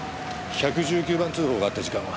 １１９番通報があった時間は？